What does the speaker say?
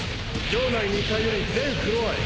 城内２階より全フロアへ。